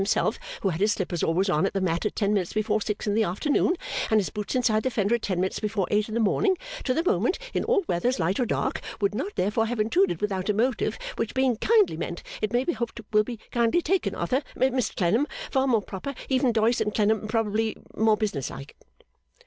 himself who had his slippers always on the mat at ten minutes before six in the afternoon and his boots inside the fender at ten minutes before eight in the morning to the moment in all weathers light or dark would not therefore have intruded without a motive which being kindly meant it may be hoped will be kindly taken Arthur, Mr Clennam far more proper, even Doyce and Clennam probably more business like.